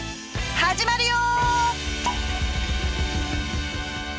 始まるよ！